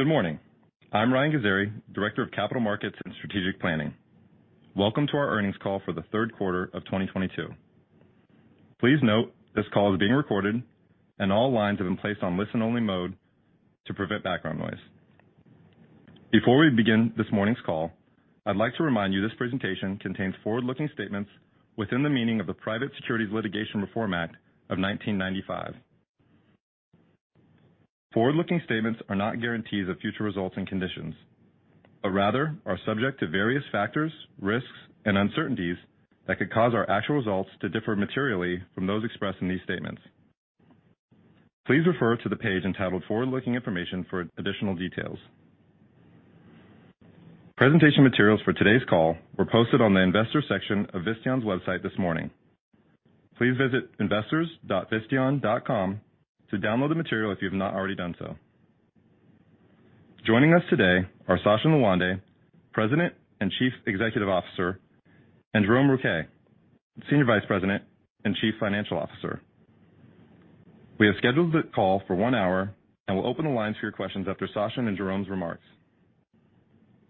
Good morning. I'm Ryan Ghazaeri, Director of Capital Markets and Strategic Planning. Welcome to our earnings call for the third quarter of 2022. Please note this call is being recorded, and all lines have been placed on listen-only mode to prevent background noise. Before we begin this morning's call, I'd like to remind you this presentation contains forward-looking statements within the meaning of the Private Securities Litigation Reform Act of 1995. Forward-looking statements are not guarantees of future results and conditions, but rather are subject to various factors, risks, and uncertainties that could cause our actual results to differ materially from those expressed in these statements. Please refer to the page entitled Forward-Looking Information for additional details. Presentation materials for today's call were posted on the investors section of Visteon's website this morning. Please visit investors.visteon.com to download the material if you have not already done so. Joining us today are Sachin Lawande, President and Chief Executive Officer, and Jerome Rouquet, Senior Vice President and Chief Financial Officer. We have scheduled the call for one hour and will open the lines for your questions after Sachin and Jerome's remarks.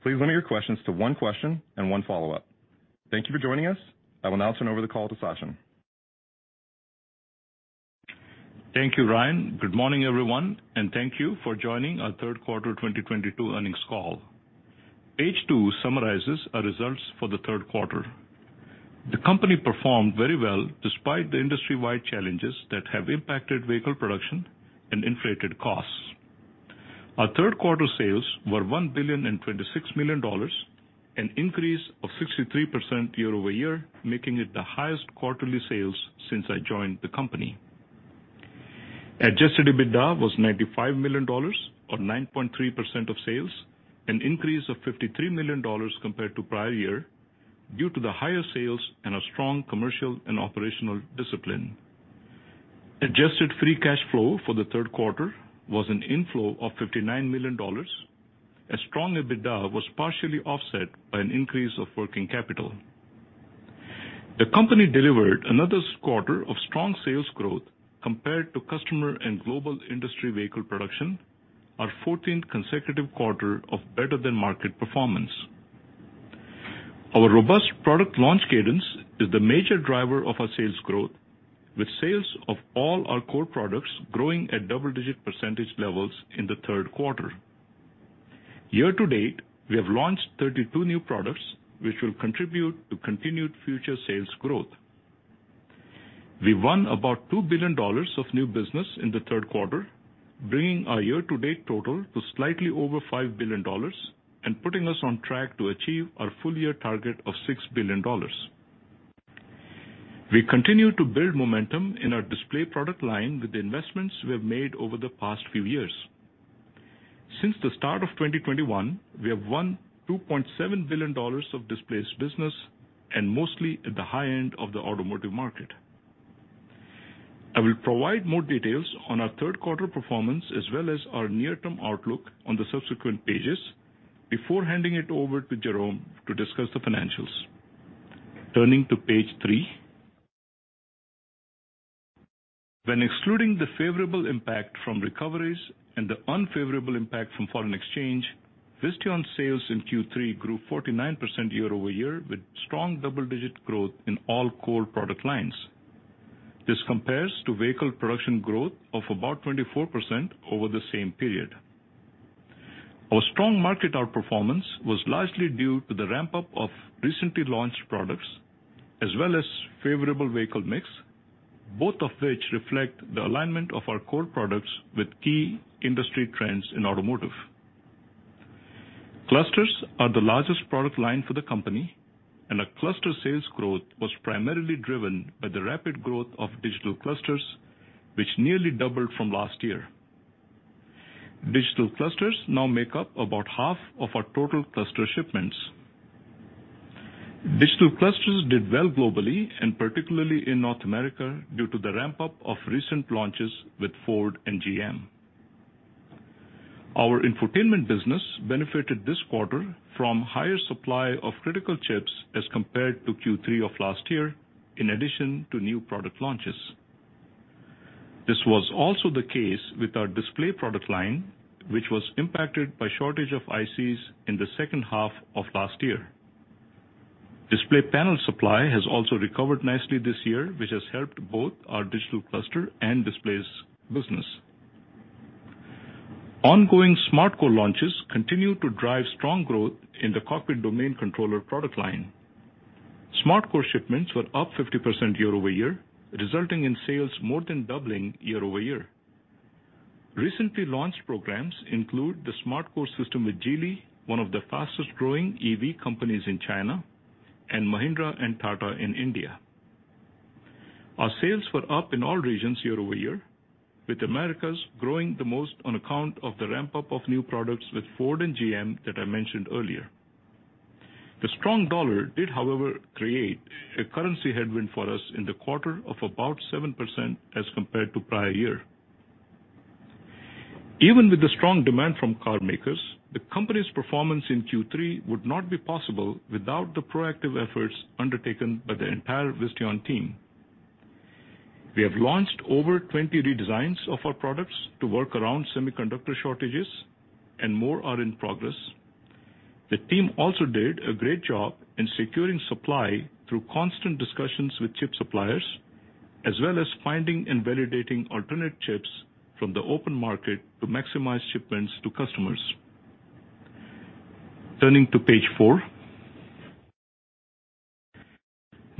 Please limit your questions to one question and one follow-up. Thank you for joining us. I will now turn over the call to Sachin. Thank you, Ryan. Good morning, everyone, and thank you for joining our third quarter 2022 earnings call. Page 2 summarizes our results for the third quarter. The company performed very well despite the industry-wide challenges that have impacted vehicle production and inflated costs. Our third quarter sales were $1.026 billion, an increase of 63% year-over-year, making it the highest quarterly sales since I joined the company. Adjusted EBITDA was $95 million or 9.3% of sales, an increase of $53 million compared to prior year due to the higher sales and a strong commercial and operational discipline. Adjusted free cash flow for the third quarter was an inflow of $59 million, as strong EBITDA was partially offset by an increase of working capital. The company delivered another quarter of strong sales growth compared to customer and global industry vehicle production, our 14th consecutive quarter of better-than-market performance. Our robust product launch cadence is the major driver of our sales growth, with sales of all our core products growing at double-digit percentage levels in the third quarter. Year to date, we have launched 32 new products which will contribute to continued future sales growth. We won about $2 billion of new business in the third quarter, bringing our year-to-date total to slightly over $5 billion and putting us on track to achieve our full year target of $6 billion. We continue to build momentum in our display product line with the investments we have made over the past few years. Since the start of 2021, we have won $2.7 billion of displays business and mostly at the high end of the automotive market. I will provide more details on our third quarter performance as well as our near-term outlook on the subsequent pages before handing it over to Jerome to discuss the financials. Turning to Page 3. When excluding the favorable impact from recoveries and the unfavorable impact from foreign exchange, Visteon sales in Q3 grew 49% year-over-year, with strong double-digit growth in all core product lines. This compares to vehicle production growth of about 24% over the same period. Our strong market outperformance was largely due to the ramp-up of recently launched products as well as favorable vehicle mix, both of which reflect the alignment of our core products with key industry trends in automotive. Clusters are the largest product line for the company, and our cluster sales growth was primarily driven by the rapid growth of digital clusters, which nearly doubled from last year. Digital clusters now make up about half of our total cluster shipments. Digital clusters did well globally and particularly in North America due to the ramp-up of recent launches with Ford and GM. Our infotainment business benefited this quarter from higher supply of critical chips as compared to Q3 of last year in addition to new product launches. This was also the case with our display product line, which was impacted by shortage of ICs in the second half of last year. Display panel supply has also recovered nicely this year, which has helped both our digital cluster and displays business. Ongoing SmartCore launches continue to drive strong growth in the cockpit domain controller product line. SmartCore shipments were up 50% year-over-year, resulting in sales more than doubling year-over-year. Recently launched programs include the SmartCore system with Geely, one of the fastest-growing EV companies in China, and Mahindra and Tata in India. Our sales were up in all regions year-over-year, with Americas growing the most on account of the ramp-up of new products with Ford and GM that I mentioned earlier. The strong dollar did, however, create a currency headwind for us in the quarter of about 7% as compared to prior year. Even with the strong demand from car makers, the company's performance in Q3 would not be possible without the proactive efforts undertaken by the entire Visteon team. We have launched over 20 redesigns of our products to work around semiconductor shortages and more are in progress. The team also did a great job in securing supply through constant discussions with chip suppliers, as well as finding and validating alternate chips from the open market to maximize shipments to customers. Turning to page four.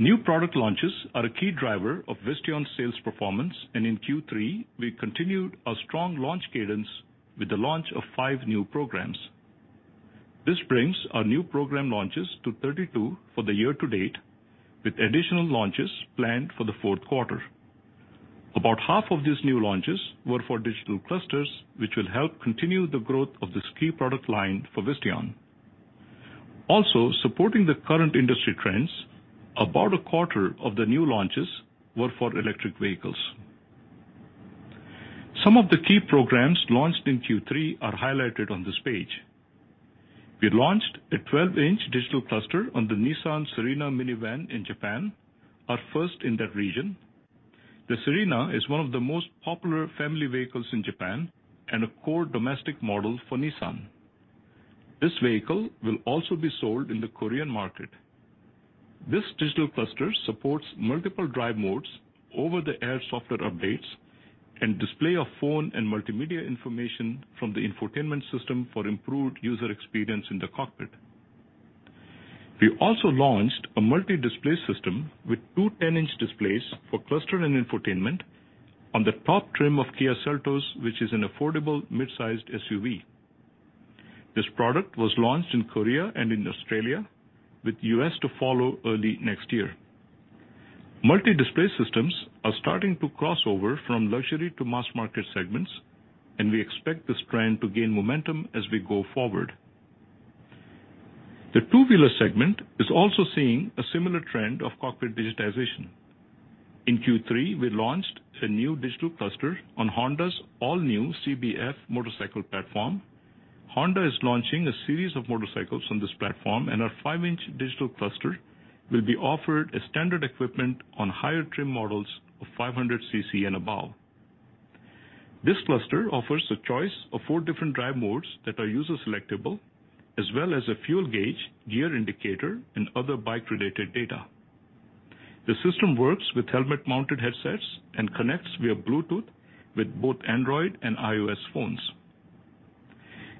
New product launches are a key driver of Visteon sales performance, and in Q3, we continued our strong launch cadence with the launch of five new programs. This brings our new program launches to 32 for the year to date, with additional launches planned for the fourth quarter. About half of these new launches were for digital clusters, which will help continue the growth of this key product line for Visteon. Also, supporting the current industry trends, about a quarter of the new launches were for electric vehicles. Some of the key programs launched in Q3 are highlighted on this page. We launched a 12-inch digital cluster on the Nissan Serena minivan in Japan, our first in that region. The Serena is one of the most popular family vehicles in Japan and a core domestic model for Nissan. This vehicle will also be sold in the Korean market. This digital cluster supports multiple drive modes over-the-air software updates and display of phone and multimedia information from the infotainment system for improved user experience in the cockpit. We also launched a multi-display system with two 10-inch displays for cluster and infotainment on the top trim of Kia Seltos, which is an affordable mid-sized SUV. This product was launched in Korea and in Australia, with U.S. to follow early next year. Multi-display systems are starting to cross over from luxury to mass market segments, and we expect this trend to gain momentum as we go forward. The two-wheeler segment is also seeing a similar trend of cockpit digitization. In Q3, we launched a new digital cluster on Honda's all new CBF motorcycle platform. Honda is launching a series of motorcycles on this platform, and our 5-inch digital cluster will be offered as standard equipment on higher trim models of 500 cc and above. This cluster offers a choice of four different drive modes that are user selectable, as well as a fuel gauge, gear indicator, and other bike-related data. The system works with helmet-mounted headsets and connects via Bluetooth with both Android and iOS phones.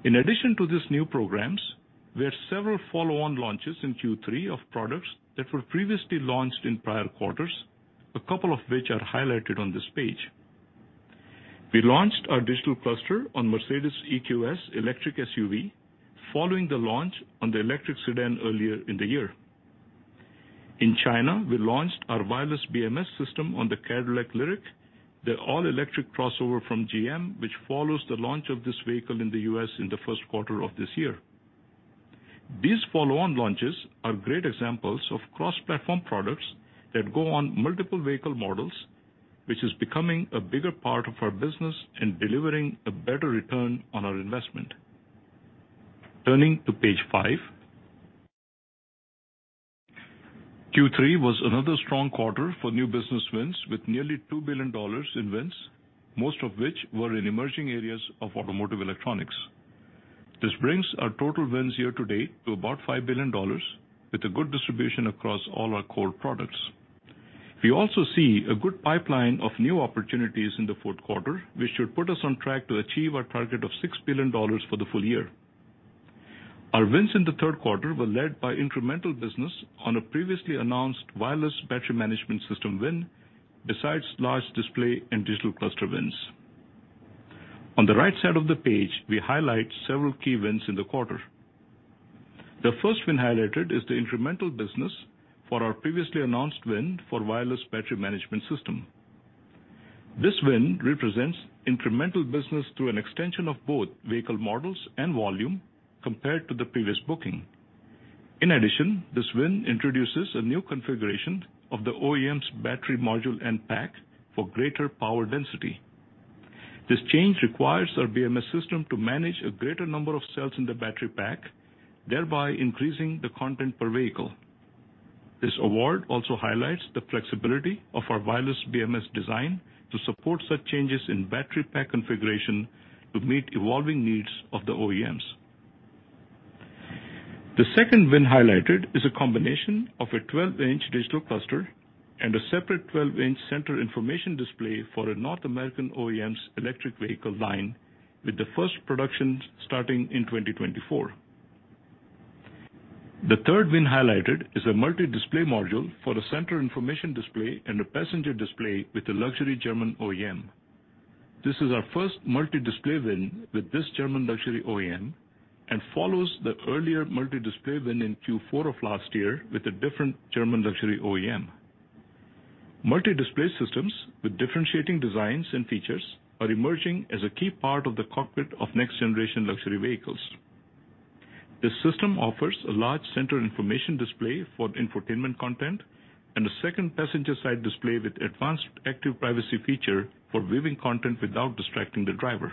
In addition to these new programs, there are several follow-on launches in Q3 of products that were previously launched in prior quarters, a couple of which are highlighted on this page. We launched our digital cluster on Mercedes-Benz EQS electric SUV following the launch on the electric sedan earlier in the year. In China, we launched our wireless BMS system on the Cadillac Lyriq, the all-electric crossover from GM, which follows the launch of this vehicle in the U.S. in the first quarter of this year. These follow-on launches are great examples of cross-platform products that go on multiple vehicle models, which is becoming a bigger part of our business in delivering a better return on our investment. Turning to Page 5. Q3 was another strong quarter for new business wins, with nearly $2 billion in wins, most of which were in emerging areas of automotive electronics. This brings our total wins year to date to about $5 billion with a good distribution across all our core products. We also see a good pipeline of new opportunities in the fourth quarter, which should put us on track to achieve our target of $6 billion for the full year. Our wins in the third quarter were led by incremental business on a previously announced wireless battery management system win, besides large display and digital cluster wins. On the right side of the page, we highlight several key wins in the quarter. The first win highlighted is the incremental business for our previously announced win for wireless battery management system. This win represents incremental business through an extension of both vehicle models and volume compared to the previous booking. In addition, this win introduces a new configuration of the OEM's battery module and pack for greater power density. This change requires our BMS system to manage a greater number of cells in the battery pack, thereby increasing the content per vehicle. This award also highlights the flexibility of our wireless BMS design to support such changes in battery pack configuration to meet evolving needs of the OEMs. The second win highlighted is a combination of a 12-inch digital cluster and a separate 12-inch Center Information Display for a North American OEM's electric vehicle line with the first production starting in 2024. The third win highlighted is a multi-display module for the Center Information Display and a passenger display with a luxury German OEM. This is our first multi-display win with this German luxury OEM and follows the earlier multi-display win in Q4 of last year with a different German luxury OEM. Multi-display systems with differentiating designs and features are emerging as a key part of the cockpit of next generation luxury vehicles. This system offers a large Center Information Display for the infotainment content and a second passenger side display with advanced active privacy feature for viewing content without distracting the driver.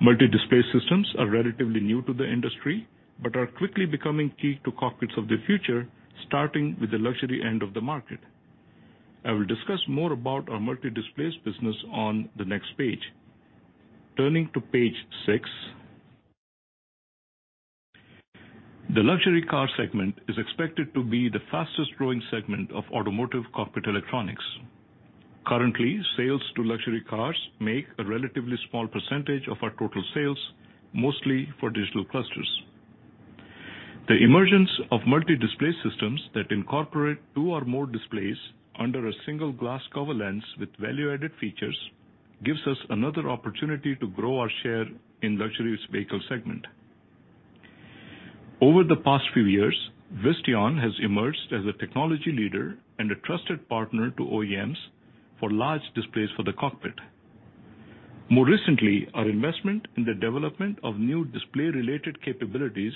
Multi-display systems are relatively new to the industry, but are quickly becoming key to cockpits of the future, starting with the luxury end of the market. I will discuss more about our multi-display business on the next page. Turning to page six. The luxury car segment is expected to be the fastest-growing segment of automotive cockpit electronics. Currently, sales to luxury cars make a relatively small percentage of our total sales, mostly for digital clusters. The emergence of multi-display systems that incorporate two or more displays under a single glass cover lens with value-added features gives us another opportunity to grow our share in luxury vehicle segment. Over the past few years, Visteon has emerged as a technology leader and a trusted partner to OEMs for large displays for the cockpit. More recently, our investment in the development of new display-related capabilities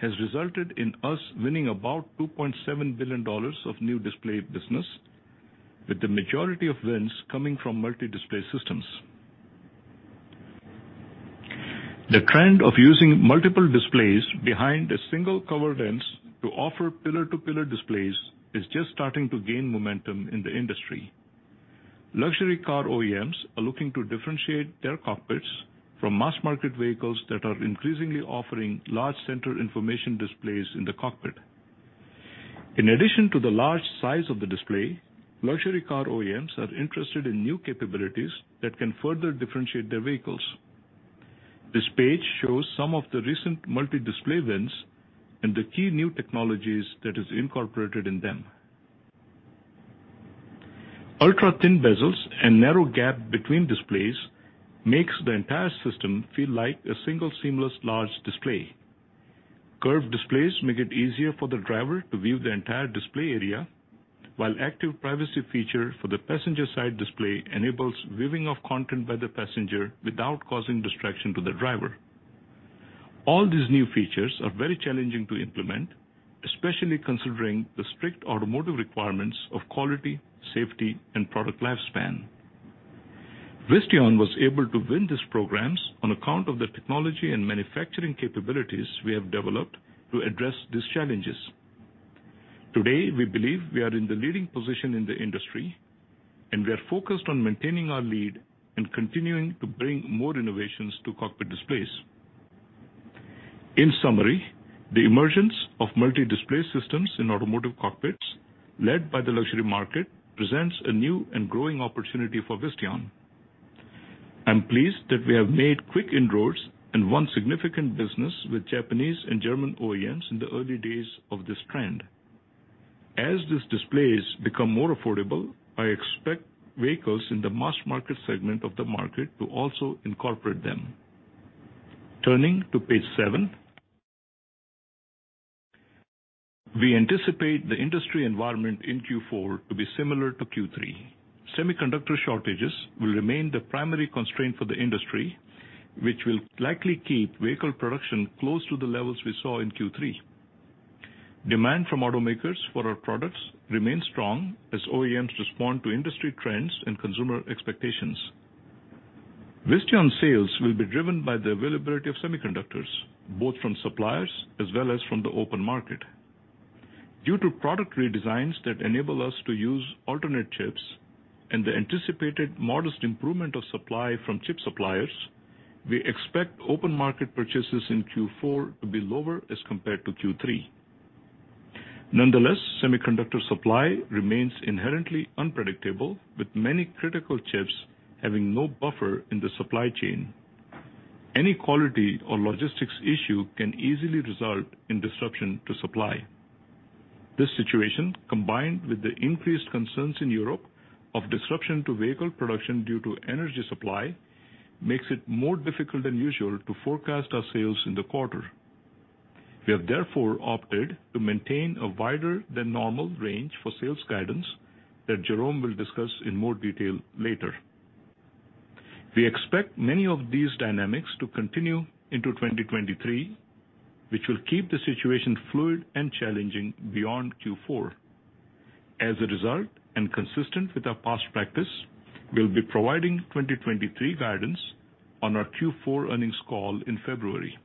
has resulted in us winning about $2.7 billion of new display business, with the majority of wins coming from multi-display systems. The trend of using multiple displays behind a single cover lens to offer pillar-to-pillar displays is just starting to gain momentum in the industry. Luxury car OEMs are looking to differentiate their cockpits from mass-market vehicles that are increasingly offering large Center Information Displays in the cockpit. In addition to the large size of the display, luxury car OEMs are interested in new capabilities that can further differentiate their vehicles. This page shows some of the recent multi-display wins and the key new technologies that is incorporated in them. Ultra-thin bezels and narrow gap between displays makes the entire system feel like a single seamless large display. Curved displays make it easier for the driver to view the entire display area, while active privacy feature for the passenger side display enables viewing of content by the passenger without causing distraction to the driver. All these new features are very challenging to implement, especially considering the strict automotive requirements of quality, safety, and product lifespan. Visteon was able to win these programs on account of the technology and manufacturing capabilities we have developed to address these challenges. Today, we believe we are in the leading position in the industry, and we are focused on maintaining our lead and continuing to bring more innovations to cockpit displays. In summary, the emergence of multi-display systems in automotive cockpits, led by the luxury market, presents a new and growing opportunity for Visteon. I'm pleased that we have made quick inroads and won significant business with Japanese and German OEMs in the early days of this trend. As these displays become more affordable, I expect vehicles in the mass market segment of the market to also incorporate them. Turning to page seven. We anticipate the industry environment in Q4 to be similar to Q3. Semiconductor shortages will remain the primary constraint for the industry, which will likely keep vehicle production close to the levels we saw in Q3. Demand from automakers for our products remains strong as OEMs respond to industry trends and consumer expectations. Visteon sales will be driven by the availability of semiconductors, both from suppliers as well as from the open market. Due to product redesigns that enable us to use alternate chips and the anticipated modest improvement of supply from chip suppliers, we expect open market purchases in Q4 to be lower as compared to Q3. Nonetheless, semiconductor supply remains inherently unpredictable, with many critical chips having no buffer in the supply chain. Any quality or logistics issue can easily result in disruption to supply. This situation, combined with the increased concerns in Europe of disruption to vehicle production due to energy supply, makes it more difficult than usual to forecast our sales in the quarter. We have therefore opted to maintain a wider than normal range for sales guidance that Jerome will discuss in more detail later. We expect many of these dynamics to continue into 2023, which will keep the situation fluid and challenging beyond Q4. As a result and consistent with our past practice, we'll be providing 2023 guidance on our Q4 earnings call in February.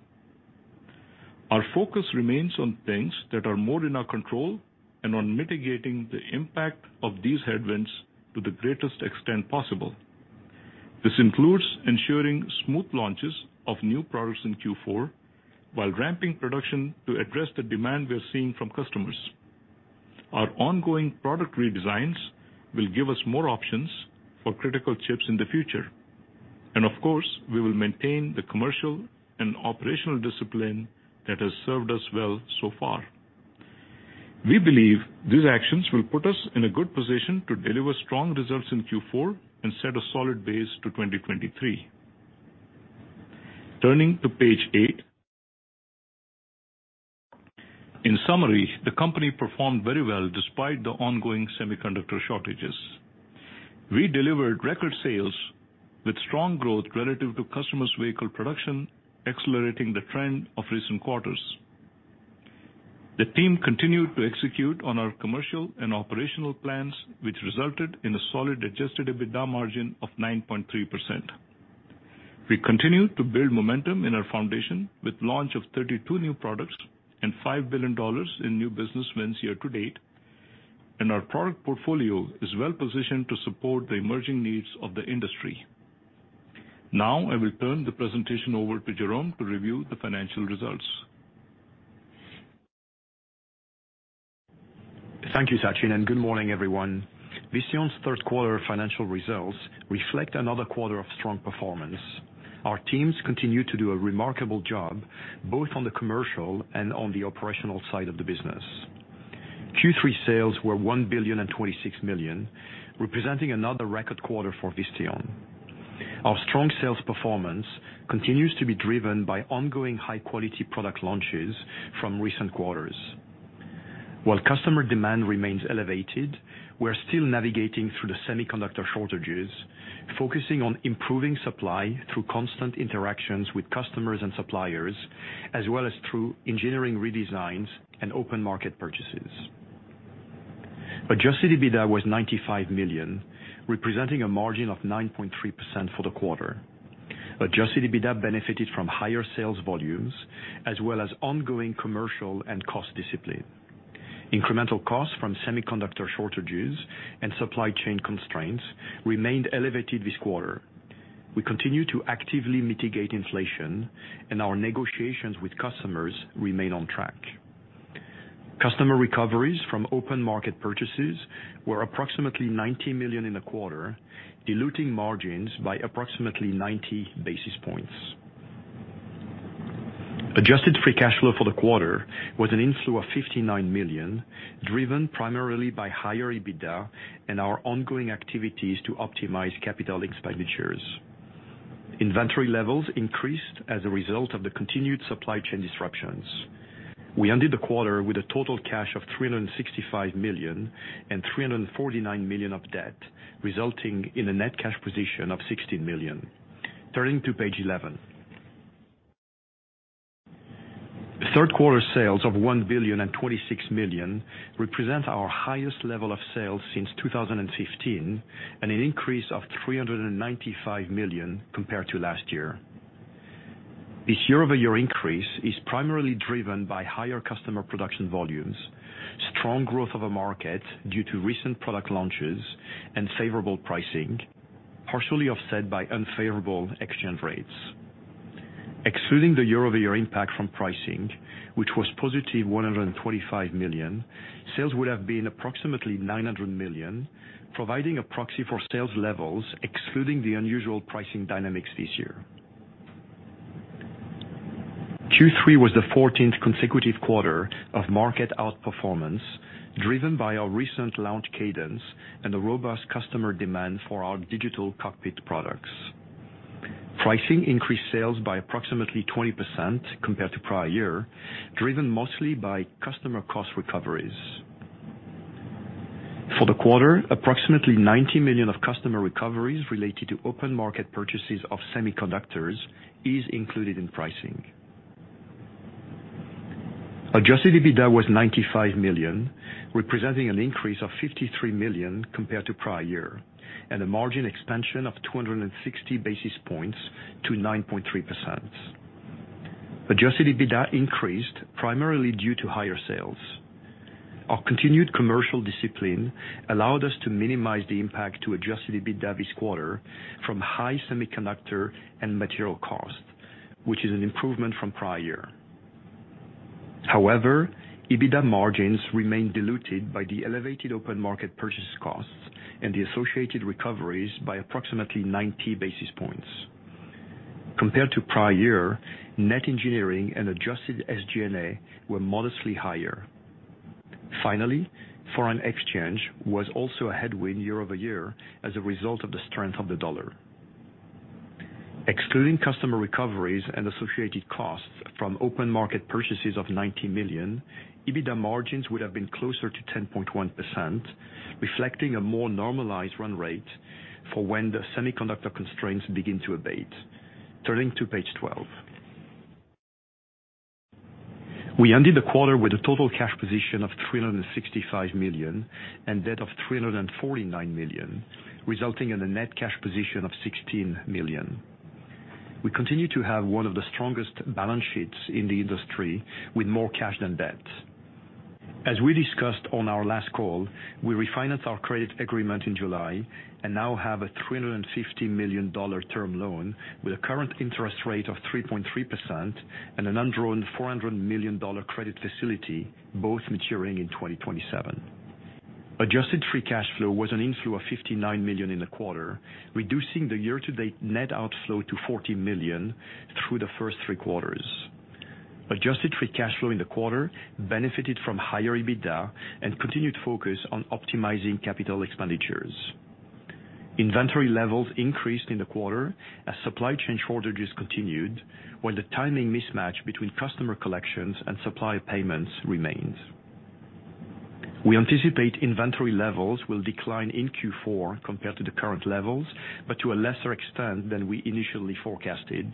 Our focus remains on things that are more in our control and on mitigating the impact of these headwinds to the greatest extent possible. This includes ensuring smooth launches of new products in Q4 while ramping production to address the demand we are seeing from customers. Our ongoing product redesigns will give us more options for critical chips in the future. Of course, we will maintain the commercial and operational discipline that has served us well so far. We believe these actions will put us in a good position to deliver strong results in Q4 and set a solid base to 2023. Turning to page 8. In summary, the company performed very well despite the ongoing semiconductor shortages. We delivered record sales with strong growth relative to customers' vehicle production, accelerating the trend of recent quarters. The team continued to execute on our commercial and operational plans, which resulted in a solid adjusted EBITDA margin of 9.3%. We continue to build momentum in our foundation with launch of 32 new products and $5 billion in new business wins year to date. Our product portfolio is well-positioned to support the emerging needs of the industry. Now I will turn the presentation over to Jerome to review the financial results. Thank you, Sachin, and good morning, everyone. Visteon's third quarter financial results reflect another quarter of strong performance. Our teams continue to do a remarkable job, both on the commercial and on the operational side of the business. Q3 sales were $1.026 billion, representing another record quarter for Visteon. Our strong sales performance continues to be driven by ongoing high-quality product launches from recent quarters. While customer demand remains elevated, we're still navigating through the semiconductor shortages, focusing on improving supply through constant interactions with customers and suppliers, as well as through engineering redesigns and open market purchases. Adjusted EBITDA was $95 million, representing a margin of 9.3% for the quarter. Adjusted EBITDA benefited from higher sales volumes as well as ongoing commercial and cost discipline. Incremental costs from semiconductor shortages and supply chain constraints remained elevated this quarter. We continue to actively mitigate inflation, and our negotiations with customers remain on track. Customer recoveries from open market purchases were approximately $90 million in the quarter, diluting margins by approximately 90 basis points. Adjusted free cash flow for the quarter was an inflow of $59 million, driven primarily by higher EBITDA and our ongoing activities to optimize capital expenditures. Inventory levels increased as a result of the continued supply chain disruptions. We ended the quarter with a total cash of $365 million and $349 million of debt, resulting in a net cash position of $16 million. Turning to page eleven. Third quarter sales of $1,026 million represent our highest level of sales since 2015, and an increase of $395 million compared to last year. This year-over-year increase is primarily driven by higher customer production volumes, strong growth of a market due to recent product launches and favorable pricing, partially offset by unfavorable exchange rates. Excluding the year-over-year impact from pricing, which was positive $125 million, sales would have been approximately $900 million, providing a proxy for sales levels excluding the unusual pricing dynamics this year. Q3 was the 14th consecutive quarter of market outperformance, driven by our recent launch cadence and a robust customer demand for our digital cockpit products. Pricing increased sales by approximately 20% compared to prior year, driven mostly by customer cost recoveries. For the quarter, approximately $90 million of customer recoveries related to open market purchases of semiconductors is included in pricing. Adjusted EBITDA was $95 million, representing an increase of $53 million compared to prior year, and a margin expansion of 260 basis points to 9.3%. Adjusted EBITDA increased primarily due to higher sales. Our continued commercial discipline allowed us to minimize the impact to adjusted EBITDA this quarter from high semiconductor and material cost, which is an improvement from prior. However, EBITDA margins remain diluted by the elevated open market purchase costs and the associated recoveries by approximately 90 basis points. Compared to prior year, net engineering and adjusted SG&A were modestly higher. Finally, foreign exchange was also a headwind year over year as a result of the strength of the dollar. Excluding customer recoveries and associated costs from open market purchases of $90 million, EBITDA margins would have been closer to 10.1%, reflecting a more normalized run rate for when the semiconductor constraints begin to abate. Turning to Page 12. We ended the quarter with a total cash position of $365 million and debt of $349 million, resulting in a net cash position of $16 million. We continue to have one of the strongest balance sheets in the industry with more cash than debt. As we discussed on our last call, we refinanced our credit agreement in July and now have a $350 million term loan with a current interest rate of 3.3% and an undrawn $400 million credit facility, both maturing in 2027. Adjusted free cash flow was an inflow of $59 million in the quarter, reducing the year-to-date net outflow to $40 million through the first three quarters. Adjusted free cash flow in the quarter benefited from higher EBITDA and continued focus on optimizing capital expenditures. Inventory levels increased in the quarter as supply chain shortages continued, while the timing mismatch between customer collections and supply payments remained. We anticipate inventory levels will decline in Q4 compared to the current levels, but to a lesser extent than we initially forecasted,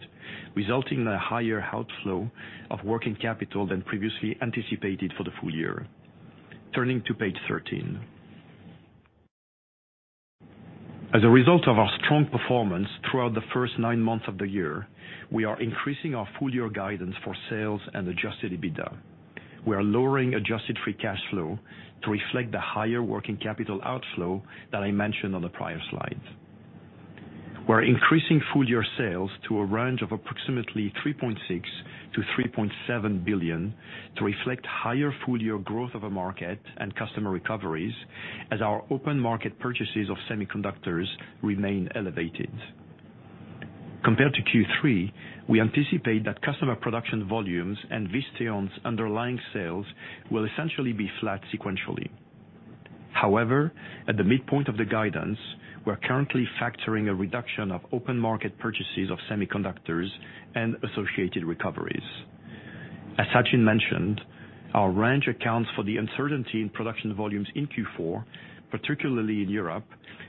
resulting in a higher outflow of working capital than previously anticipated for the full year. Turning to Page 13. As a result of our strong performance throughout the first nine months of the year, we are increasing our full-year guidance for sales and adjusted EBITDA. We are lowering adjusted free cash flow to reflect the higher working capital outflow that I mentioned on the prior slide. We're increasing full year sales to a range of approximately $3.6 billion-$3.7 billion to reflect higher full year growth of a market and customer recoveries as our open market purchases of semiconductors remain elevated. Compared to Q3, we anticipate that customer production volumes and Visteon's underlying sales will essentially be flat sequentially. However, at the midpoint of the guidance, we're currently factoring a reduction of open market purchases of semiconductors and associated recoveries. As Sachin mentioned, our range accounts for the uncertainty in production volumes in Q4, particularly in Europe,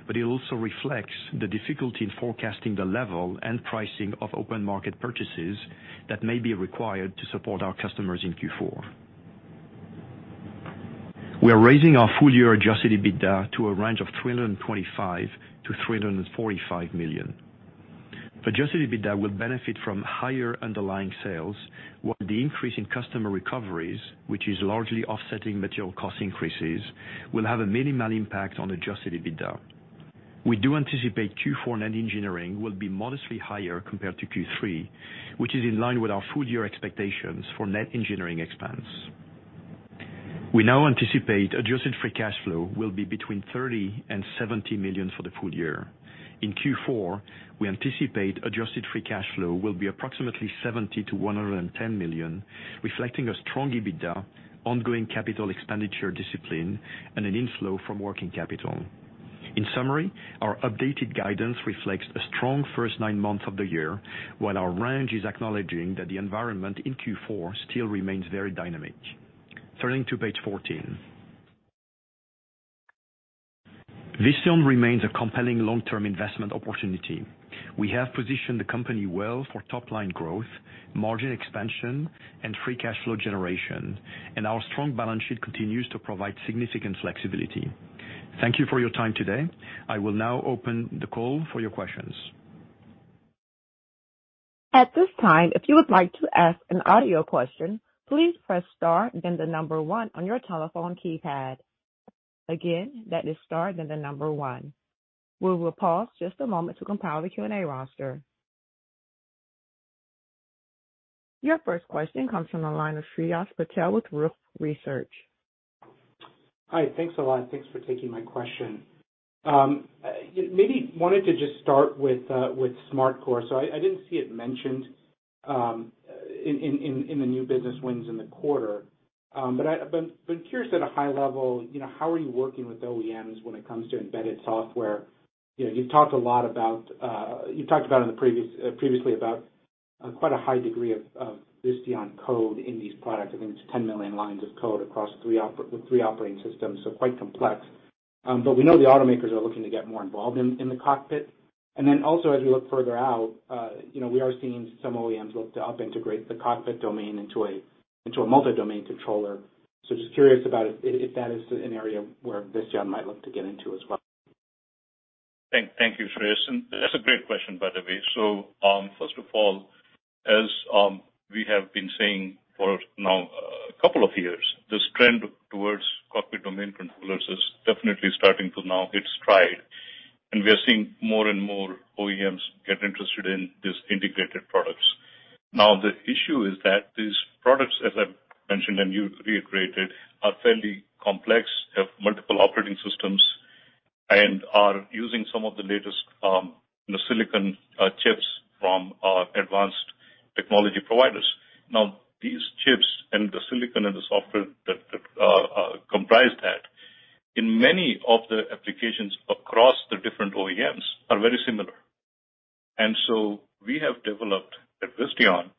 but it also reflects the difficulty in forecasting the level and pricing of open market purchases that may be required to support our customers in Q4. We are raising our full year adjusted EBITDA to a range of $325 million-$345 million. Adjusted EBITDA will benefit from higher underlying sales, while the increase in customer recoveries, which is largely offsetting material cost increases, will have a minimal impact on adjusted EBITDA. We do anticipate Q4 net engineering will be modestly higher compared to Q3, which is in line with our full year expectations for net engineering expense. We now anticipate adjusted free cash flow will be between $30 million and $70 million for the full year. In Q4, we anticipate adjusted free cash flow will be approximately $70 million-$110 million, reflecting a strong EBITDA, ongoing capital expenditure discipline, and an inflow from working capital. In summary, our updated guidance reflects a strong first nine months of the year, while our range is acknowledging that the environment in Q4 still remains very dynamic. Turning to Page 14. Visteon remains a compelling long-term investment opportunity. We have positioned the company well for top line growth, margin expansion and free cash flow generation, and our strong balance sheet continues to provide significant flexibility. Thank you for your time today. I will now open the call for your questions. At this time, if you would like to ask an audio question, please press star, then the number one on your telephone keypad. Again, that is star, then the number one. We will pause just a moment to compile the Q&A roster. Your first question comes from the line of Shreyas Patil with Wolfe Research. Hi. Thanks a lot. Thanks for taking my question. Maybe wanted to just start with SmartCore. I didn't see it mentioned in the new business wins in the quarter. I've been curious at a high level, you know, how are you working with OEMs when it comes to embedded software? You know, you've talked a lot about, you've talked about previously about quite a high degree of Visteon code in these products. I think it's 10 million lines of code across the three operating systems, so quite complex. We know the automakers are looking to get more involved in the cockpit. As we look further out, you know, we are seeing some OEMs look to vertically integrate the cockpit domain into a multi-domain controller. Just curious about if that is an area where Visteon might look to get into as well. Thank you, Shreyas. That's a great question, by the way. First of all, as we have been saying for now a couple of years, this trend towards cockpit domain controllers is definitely starting to now hit stride. We are seeing more and more OEMs get interested in these integrated products. Now, the issue is that these products, as I mentioned and you reiterated, are fairly complex, have multiple operating systems, and are using some of the latest silicon chips from advanced technology providers. Now, these chips and the silicon and the software that comprise that in many of the applications across the different OEMs are very similar. We have developed at Visteon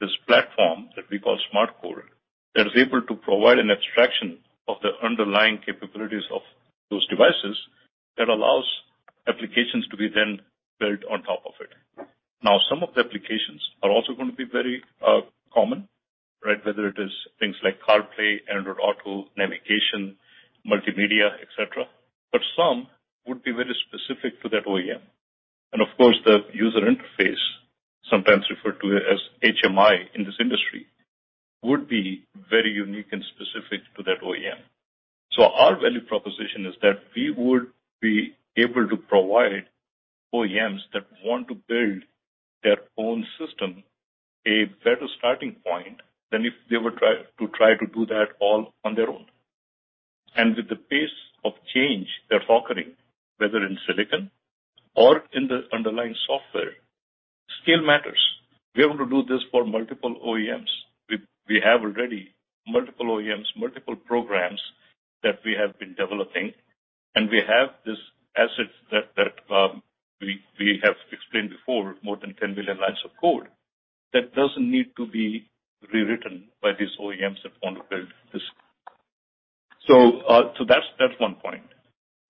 this platform that we call SmartCore, that is able to provide an abstraction of the underlying capabilities of those devices that allows applications to be then built on top of it. Now, some of the applications are also going to be very common, right? Whether it is things like CarPlay, Android Auto, navigation, multimedia, et cetera. Some would be very specific to that OEM. Of course, the user interface, sometimes referred to as HMI in this industry, would be very unique and specific to that OEM. Our value proposition is that we would be able to provide OEMs that want to build their own system a better starting point than if they were to try to do that all on their own. With the pace of change they're occurring, whether in silicon or in the underlying software, scale matters. We're able to do this for multiple OEMs. We have already multiple OEMs, multiple programs that we have been developing, and we have this asset that we have explained before more than 10 million lines of code that doesn't need to be rewritten by these OEMs that want to build this. That's one point.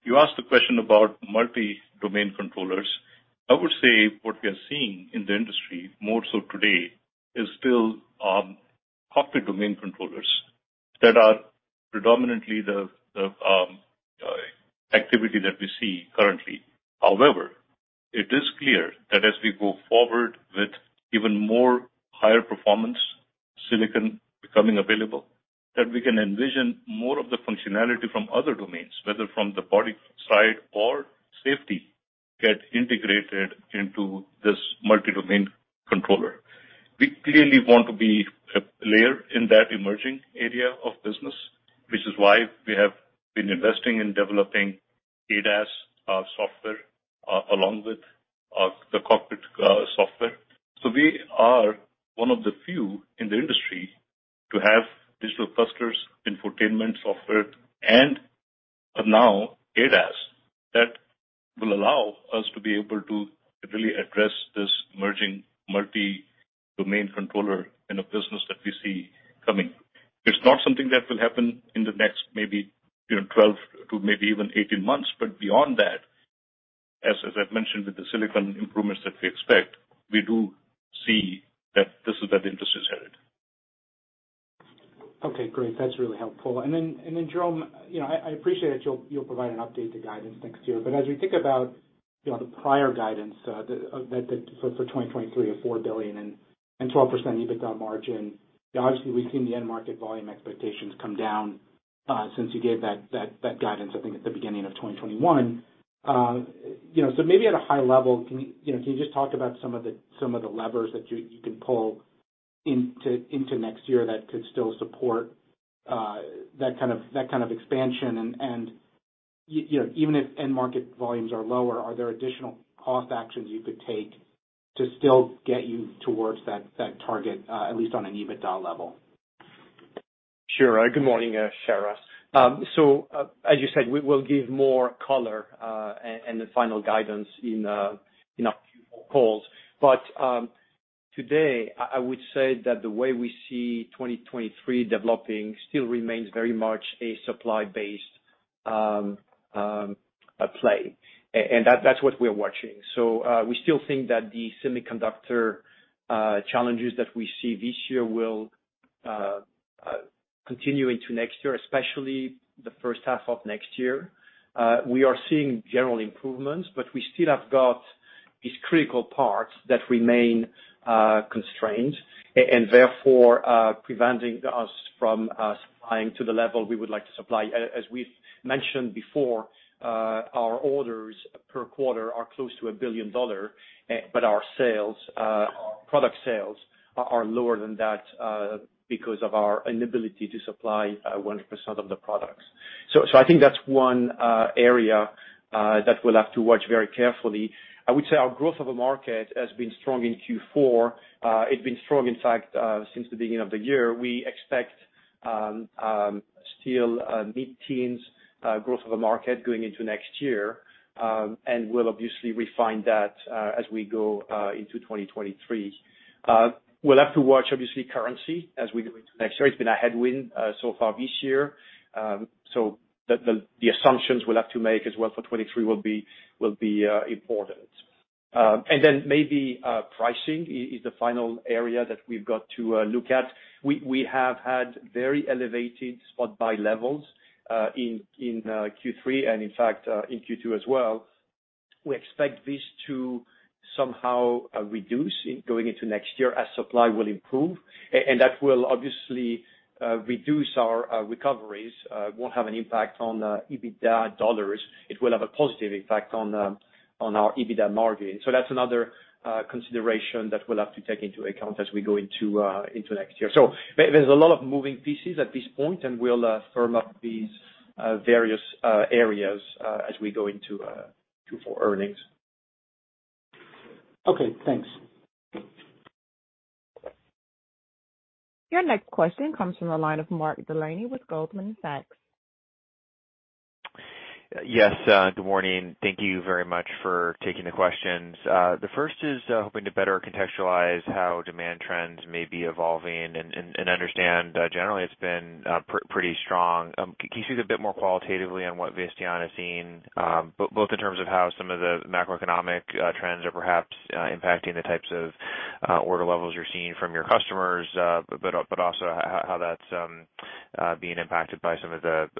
You asked a question about multi-domain controllers. I would say what we are seeing in the industry, more so today, is still cockpit domain controllers that are predominantly the activity that we see currently. However, it is clear that as we go forward with even more higher performance silicon becoming available, that we can envision more of the functionality from other domains, whether from the body side or safety, get integrated into this multi-domain controller. We clearly want to be a player in that emerging area of business, which is why we have been investing in developing ADAS software along with the cockpit software. We are one of the few in the industry to have digital clusters, infotainment software, and now ADAS that will allow us to be able to really address this emerging multi-domain controller in a business that we see coming. It's not something that will happen in the next maybe, you know, 12 to maybe even 18-months. Beyond that, as I've mentioned, with the silicon improvements that we expect, we do see that this is where the interest is headed. Okay, great. That's really helpful. Jerome, you know, I appreciate that you'll provide an update to guidance next year. As we think about, you know, the prior guidance for 2023 of $4 billion and 12% EBITDA margin, obviously we've seen the end market volume expectations come down since you gave that guidance, I think at the beginning of 2021. You know, maybe at a high level, can you know, can you just talk about some of the levers that you can pull into next year that could still support that kind of expansion? You know, even if end market volumes are lower, are there additional cost actions you could take to still get you towards that target, at least on an EBITDA level? Sure. Good morning, Shreyas. As you said, we will give more color and the final guidance in a few more calls. Today I would say that the way we see 2023 developing still remains very much a supply-based play. That is what we're watching. We still think that the semiconductor challenges that we see this year will continue into next year, especially the first half of next year. We are seeing general improvements, but we still have got these critical parts that remain constrained and therefore preventing us from supplying to the level we would like to supply. As we've mentioned before, our orders per quarter are close to $1 billion, but our sales, our product sales are lower than that, because of our inability to supply 100% of the products. I think that's one area that we'll have to watch very carefully. I would say our growth in the market has been strong in Q4. It's been strong, in fact, since the beginning of the year. We expect still mid-teens growth in the market going into next year. We'll obviously refine that as we go into 2023. We'll have to watch currency as we go into next year. It's been a headwind so far this year. The assumptions we'll have to make as well for 2023 will be important. Maybe pricing is the final area that we've got to look at. We have had very elevated spot buy levels in Q3 and in fact in Q2 as well. We expect this to somehow reduce going into next year as supply will improve. That will obviously reduce our recoveries. It won't have an impact on EBITDA dollars. It will have a positive impact on our EBITDA margin. That's another consideration that we'll have to take into account as we go into next year. There's a lot of moving parts at this point, and we'll firm up these various areas as we go into Q4 earnings. Okay, thanks. Your next question comes from the line of Mark Delaney with Goldman Sachs. Yes, good morning. Thank you very much for taking the questions. The first is hoping to better contextualize how demand trends may be evolving and understand, generally it's been pretty strong. Can you speak a bit more qualitatively on what Visteon is seeing, both in terms of how some of the macroeconomic trends are perhaps impacting the types of order levels you're seeing from your customers, but also how that's being impacted by some of the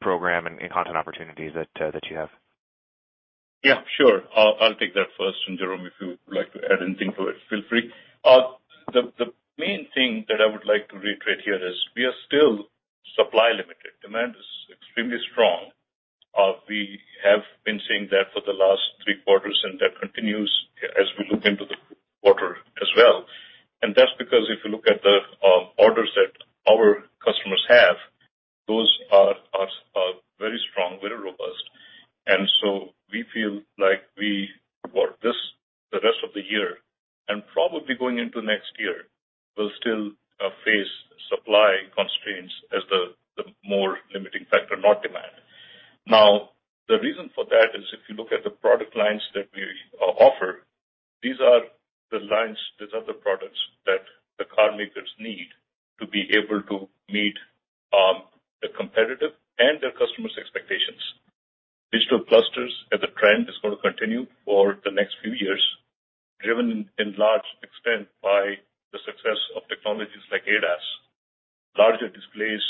program and content opportunities that you have. Yeah, sure. I'll take that first. Jerome, if you would like to add anything to it, feel free. The main thing that I would like to reiterate here is we are still supply limited. Demand is extremely strong. We have been seeing that for the last three quarters, and that continues as we look into the quarter as well. That's because if you look at the orders that our customers have, those are very strong, very robust. We feel like we support this the rest of the year and probably going into next year, we'll still face more limiting factor, not demand. Now the reason for that is if you look at the product lines that we offer, these are the lines, these are the products that the car makers need to be able to meet the competitive and their customers' expectations. Digital clusters as a trend is gonna continue for the next few years, driven in large extent by the success of technologies like ADAS. Larger displays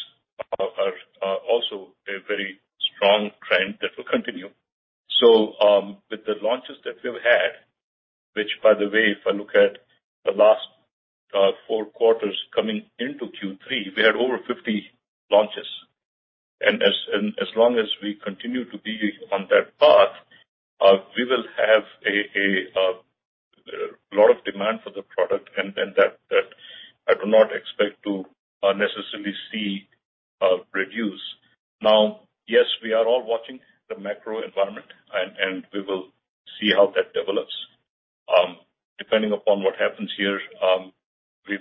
are also a very strong trend that will continue. So, with the launches that we've had, which by the way, if I look at the last four quarters coming into Q3, we had over 50 launches. And as long as we continue to be on that path, we will have a lot of demand for the product and that I do not expect to necessarily see reduce. Now, yes, we are all watching the macro environment and we will see how that develops. Depending upon what happens here, we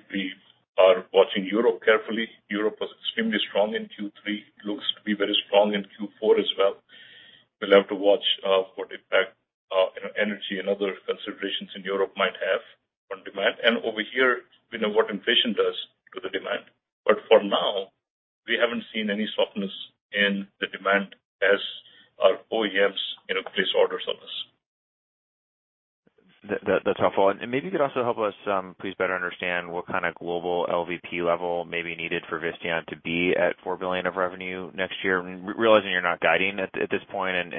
are watching Europe carefully. Europe was extremely strong in Q3, looks to be very strong in Q4 as well. We'll have to watch what impact, you know, energy and other considerations in Europe might have on demand. Over here, we know what inflation does to the demand. For now, we haven't seen any softness in the demand as our OEMs, you know, place orders on us. That's helpful. Maybe you could also help us please better understand what kind of global LVP level may be needed for Visteon to be at $4 billion of revenue next year. Realizing you're not guiding at this point, and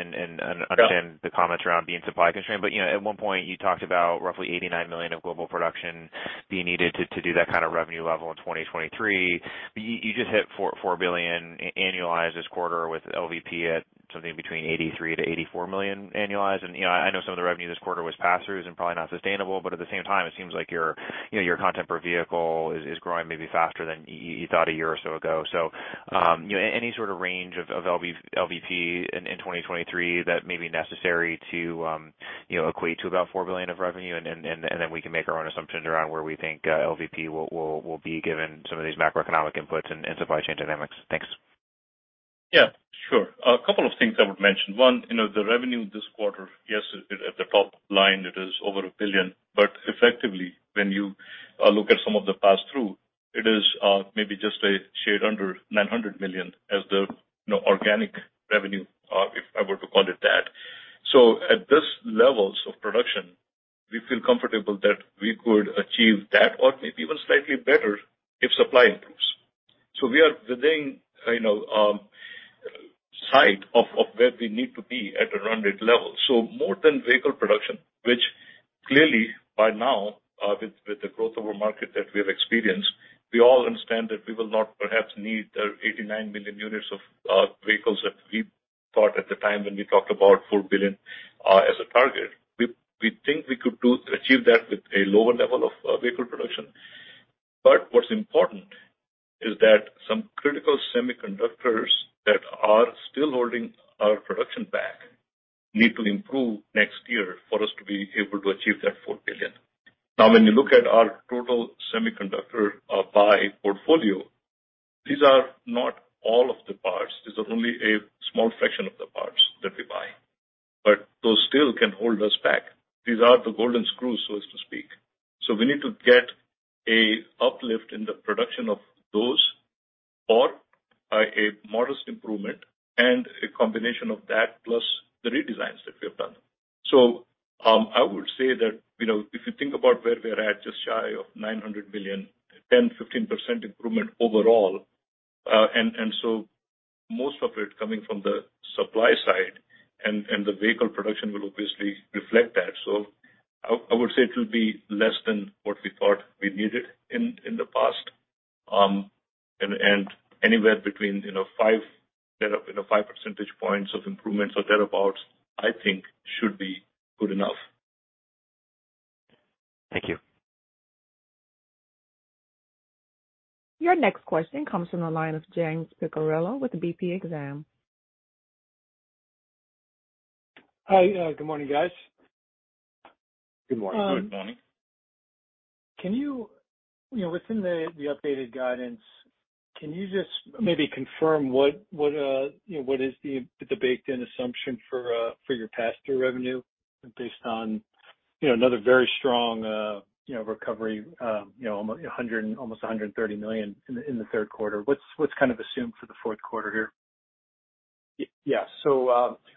understand the comments around being supply constrained. You know, at one point you talked about roughly 89 million of global production being needed to do that kind of revenue level in 2023. You just hit $4 billion annualized this quarter with LVP at something between 83 million-84 million annualized. You know, I know some of the revenue this quarter was pass-throughs and probably not sustainable, but at the same time it seems like you know, your content per vehicle is growing maybe faster than you thought a year or so ago. you know, any sort of range of LVP in 2023 that may be necessary to, you know, equate to about $4 billion of revenue? Then we can make our own assumptions around where we think LVP will be given some of these macroeconomic inputs and supply chain dynamics. Thanks. Yeah, sure. A couple of things I would mention. One, you know, the revenue this quarter, yes, at the top line it is over $1 billion, but effectively when you look at some of the pass-through, it is maybe just a shade under $900 million as the, you know, organic revenue, if I were to call it that. At this levels of production, we feel comfortable that we could achieve that or maybe even slightly better if supply improves. We are within, you know, sight of where we need to be at a run rate level. More than vehicle production, which clearly by now, with the growth of our market that we have experienced, we all understand that we will not perhaps need the 89 million units of vehicles that we thought at the time when we talked about $4 billion as a target. We think we could achieve that with a lower level of vehicle production. What's important is that some critical semiconductors that are still holding our production back need to improve next year for us to be able to achieve that $4 billion. Now, when you look at our total semiconductor buy portfolio, these are not all of the parts. These are only a small fraction of the parts that we buy. Those still can hold us back. These are the golden screws, so to speak. We need to get an uplift in the production of those or a modest improvement and a combination of that plus the redesigns that we have done. I would say that, you know, if you think about where we're at, just shy of $900 million, 10%-15% improvement overall. Most of it coming from the supply side and the vehicle production will obviously reflect that. I would say it will be less than what we thought we needed in the past. Anywhere between, you know, five percentage points of improvements or thereabout, I think should be good enough. Thank you. Your next question comes from the line of James Picariello with BNP Paribas Exane. Hi. Good morning, guys. Good morning. Good morning. You know, within the updated guidance, can you just maybe confirm what you know, what is the baked in assumption for your pass-through revenue based on you know, another very strong you know, recovery you know, $100 million and almost $130 million in the third quarter? What's kind of assumed for the fourth quarter here? Yeah.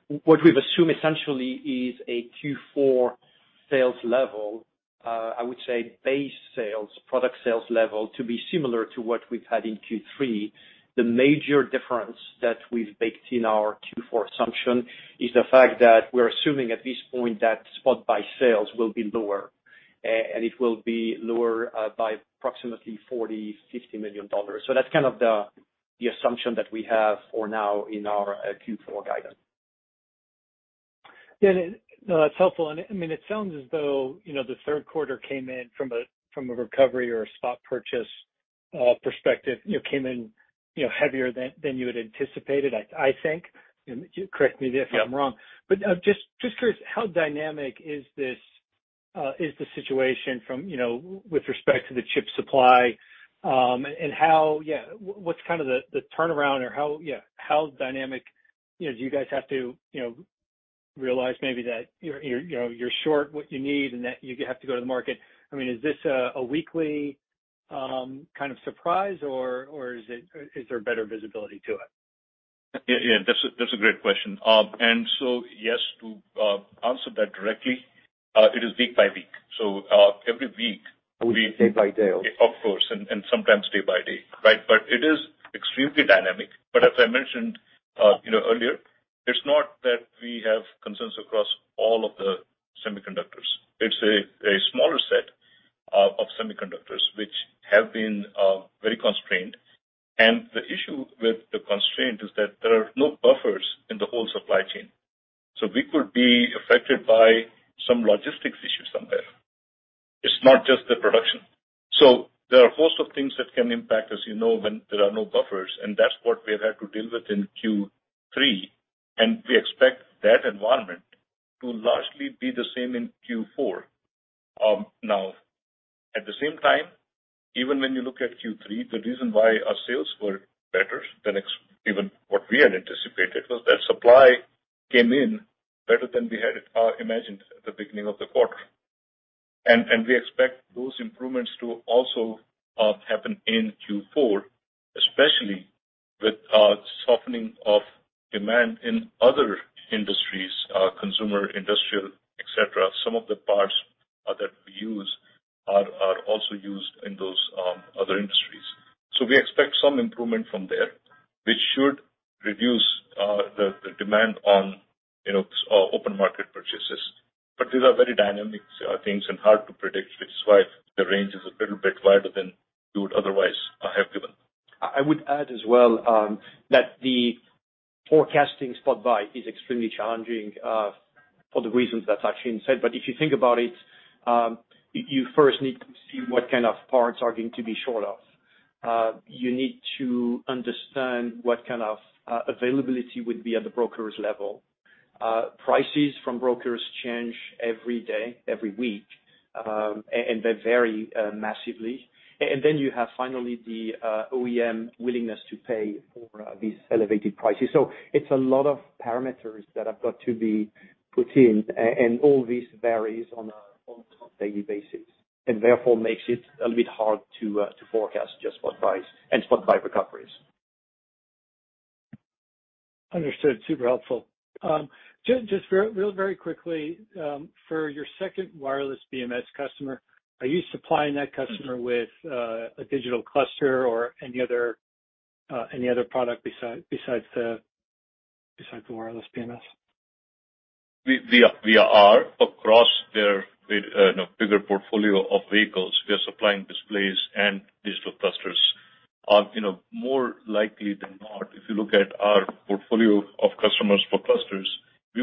What we've assumed essentially is a Q4 sales level, I would say base sales, product sales level to be similar to what we've had in Q3. The major difference that we've baked in our Q4 assumption is the fact that we're assuming at this point that spot buy sales will be lower, and it will be lower, by approximately $40 million-$60 million. That's kind of the assumption that we have for now in our Q4 guidance. Yeah. No, that's helpful. I mean, it sounds as though, you know, the third quarter came in from a recovery or a spot purchase perspective, you know, heavier than you had anticipated, I think. Correct me if I'm wrong. Yeah. Just curious, how dynamic is the situation from you know with respect to the chip supply, and how yeah what's kind of the turnaround or how yeah how dynamic you know do you guys have to you know realize maybe that you're short what you need and that you have to go to the market? I mean, is this a weekly kind of surprise or is there better visibility to it? Yeah, yeah. That's a great question. Yes, to answer that directly, it is week by week. Every week we-. Day by day almost. Of course, and sometimes day by day, right. It is extremely dynamic. As I mentioned, you know, earlier, it's not that we have concerns across all of the semiconductors. It's a smaller set of semiconductors which have been very constrained. The issue with the constraint is that there are no buffers in the whole supply chain. We could be affected by some logistics issue somewhere. It's not just the production. There are a host of things that can impact as you know when there are no buffers, and that's what we have had to deal with in Q3, and we expect that environment to largely be the same in Q4. Now at the same time, even when you look at Q3, the reason why our sales were better than even what we had anticipated was that supply came in better than we had imagined at the beginning of the quarter. We expect those improvements to also happen in Q4, especially with softening of demand in other industries, consumer, industrial, et cetera. Some of the parts that we use are also used in those other industries. We expect some improvement from there, which should reduce the demand on, you know, open market purchases. These are very dynamic things and hard to predict, which is why the range is a little bit wider than we would otherwise have given. I would add as well that the forecasting spot buy is extremely challenging for the reasons that Sachin said. If you think about it, you first need to see what kind of parts are going to be short of. You need to understand what kind of availability would be at the brokers level. Prices from brokers change every day, every week, and they vary massively. Then you have finally the OEM willingness to pay for these elevated prices. It's a lot of parameters that have got to be put in, and all this varies on a daily basis, and therefore makes it a little bit hard to forecast just spot buys and spot buy recoveries. Understood. Super helpful. Just really very quickly, for your second wireless BMS customer, are you supplying that customer with a digital cluster or any other product besides the wireless BMS? We are across their you know bigger portfolio of vehicles. We are supplying displays and digital clusters. You know more likely than not if you look at our portfolio of customers for clusters we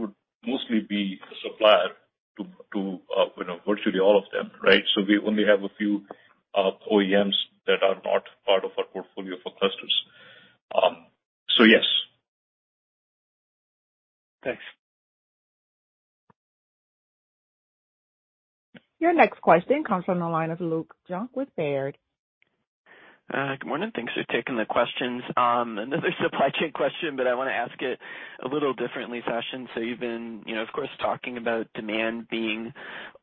would mostly be a supplier to you know virtually all of them right? Yes. Thanks. Your next question comes from the line of Luke Junk with Baird. Good morning. Thanks for taking the questions. Another supply chain question, but I wanna ask it a little differently, Sachin. You've been, you know, of course, talking about demand being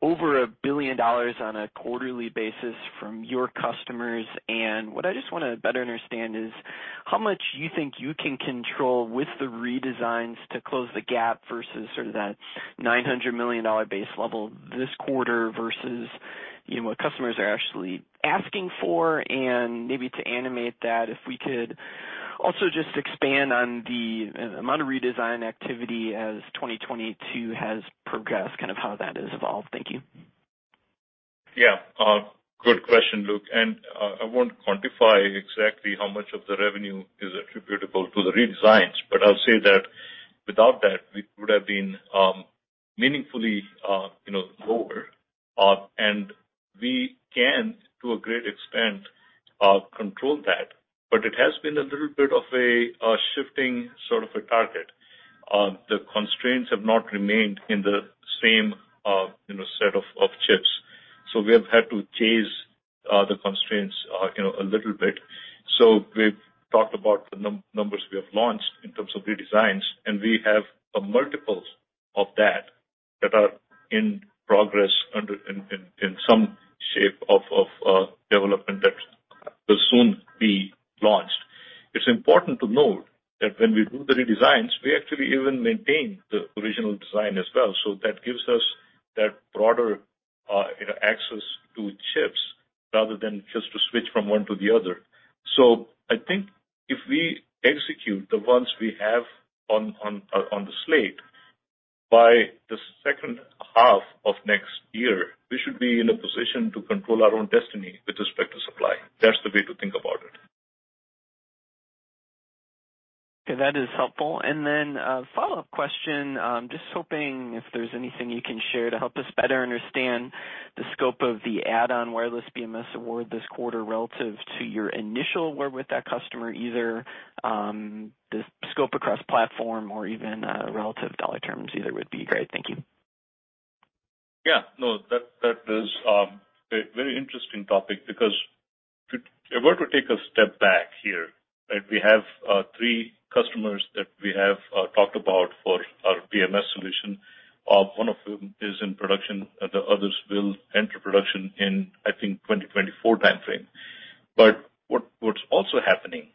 over $1 billion on a quarterly basis from your customers. What I just wanna better understand is how much you think you can control with the redesigns to close the gap versus sort of that $900 million base level this quarter versus, you know, what customers are actually asking for. Maybe to animate that, if we could also just expand on the amount of redesign activity as 2022 has progressed, kind of how that has evolved. Thank you. Yeah. Good question, Luke. I won't quantify exactly how much of the revenue is attributable to the redesigns, but I'll say that without that, we would have been meaningfully, you know, lower. We can, to a great extent, control that. But it has been a little bit of a shifting sort of a target. The constraints have not remained in the same, you know, set of chips. We have had to chase the constraints, you know, a little bit. We've talked about the numbers we have launched in terms of redesigns, and we have multiples of that that are in progress in some shape of development that will soon be launched. It's important to note that when we do the redesigns, we actually even maintain the original design as well. That gives us that broader, you know, access to chips rather than just to switch from one to the other. I think if we execute the ones we have on the slate, by the second half of next year, we should be in a position to control our own destiny with respect to supply. That's the way to think about it. Okay, that is helpful. Then a follow-up question, just hoping if there's anything you can share to help us better understand the scope of the add-on wireless BMS award this quarter relative to your initial work with that customer, either the scope across platform or even relative dollar terms either would be great. Thank you. That is a very interesting topic because if we're to take a step back here, right, we have three customers that we have talked about for our BMS solution. One of whom is in production, the others will enter production in, I think, 2024 timeframe. What's also happening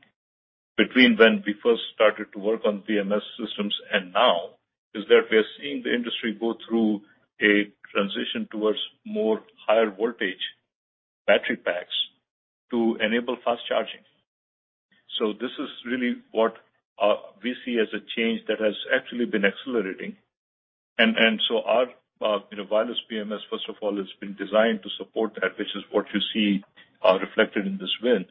between when we first started to work on BMS systems and now is that we are seeing the industry go through a transition towards more higher voltage battery packs to enable fast charging. This is really what we see as a change that has actually been accelerating. Our you know, wireless BMS, first of all, has been designed to support that, which is what you see reflected in this win.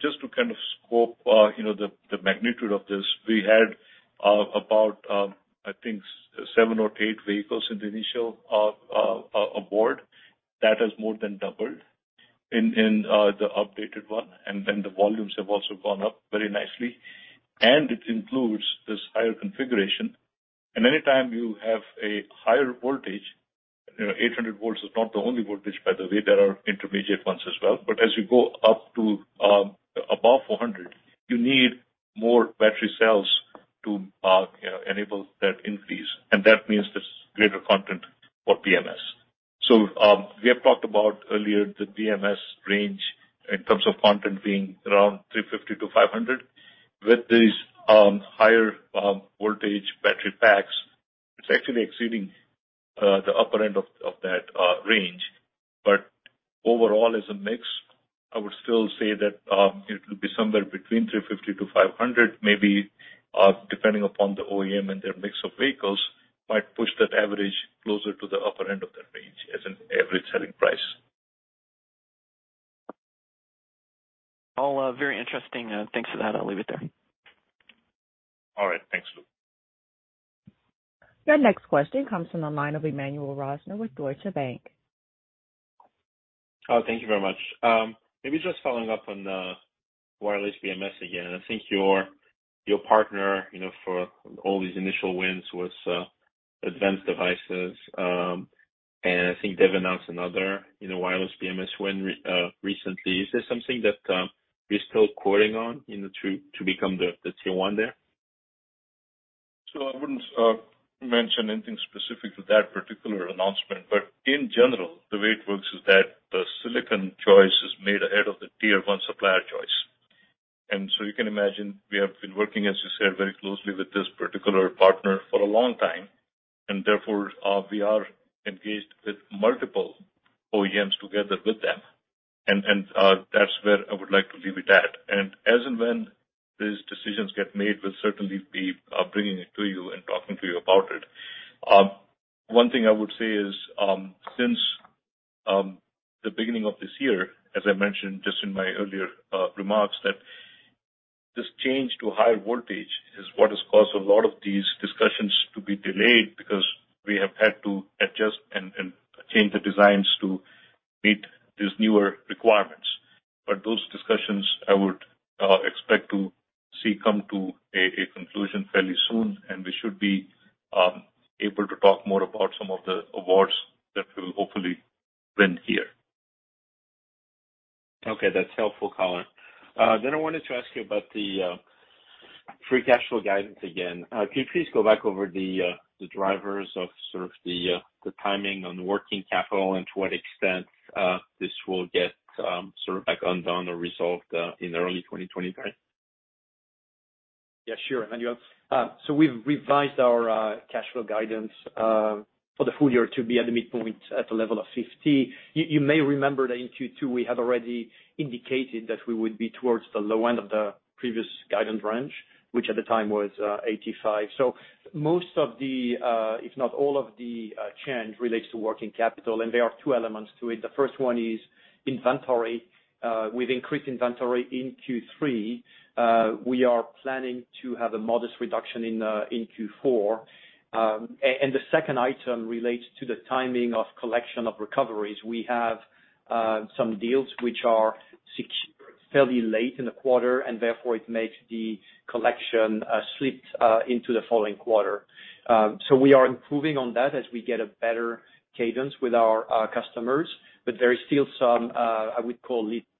Just to kind of scope, you know, the magnitude of this, we had about, I think seven or eight vehicles in the initial award. That has more than doubled in the updated one, and then the volumes have also gone up very nicely. Anytime you have a higher voltage, you know, 800 volts is not the only voltage by the way, there are intermediate ones as well. But as you go up to above 400, you need more battery cells to you know, enable that increase, and that means there's greater content for BMS. We have talked about earlier the BMS range in terms of content being around $350-$500. With these higher voltage battery packs, it's actually exceeding the upper end of that range. Overall as a mix, I would still say that it will be somewhere between $350-$500, maybe, depending upon the OEM and their mix of vehicles, might push that average closer to the upper end of that range as an average selling price. All, very interesting. Thanks for that. I'll leave it there. All right. Thanks, Luke. Your next question comes from the line of Emmanuel Rosner with Deutsche Bank. Oh, thank you very much. Maybe just following up on wireless BMS again. I think your partner, you know, for all these initial wins was Analog Devices. I think they've announced another, you know, wireless BMS win recently. Is this something that you're still quoting on, you know, to become the Tier 1 there? I wouldn't mention anything specific to that particular announcement, but in general, the way it works is that the silicon choice is made ahead of the tier one supplier choice. You can imagine we have been working, as you said, very closely with this particular partner for a long time, and therefore, we are engaged with multiple OEMs together with them. That's where I would like to leave it at. As and when these decisions get made, we'll certainly be bringing it to you and talking to you about it. One thing I would say is, since the beginning of this year, as I mentioned just in my earlier remarks, that this change to higher voltage is what has caused a lot of these discussions to be delayed because we have had to adjust and change the designs to meet these newer requirements. Those discussions I would expect to see come to a conclusion fairly soon, and we should be able to talk more about some of the awards that we'll hopefully win here. Okay. That's helpful, Color. I wanted to ask you about the free cash flow guidance again. Can you please go back over the drivers of sort of the timing on working capital and to what extent this will get sort of back undone or resolved in early 2023? Yeah, sure, Emmanuel Rosner. We've revised our cash flow guidance for the full year to be at the midpoint at a level of $50. You may remember that in Q2 we had already indicated that we would be towards the low end of the previous guidance range, which at the time was $85. Most of the, if not all of the, change relates to working capital, and there are two elements to it. The first one is inventory. We've increased inventory in Q3. We are planning to have a modest reduction in Q4. The second item relates to the timing of collection of recoveries. We have some deals which are fairly late in the quarter, and therefore it makes the collection slips into the following quarter. We are improving on that as we get a better cadence with our customers, but there is still some